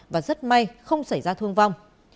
và rất may không xảy ra thương vong